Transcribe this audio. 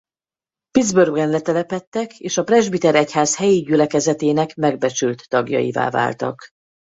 Pittsburghben letelepedtek és a Presbiter Egyház helyi gyülekezetének megbecsült tagjaivá váltak.